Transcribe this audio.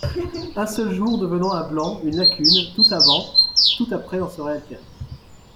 Un seul jour devenant un blanc, une lacune, tout avant, tout après en serait altéré.